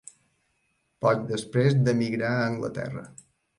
Poc després d'emigrar a Anglaterra.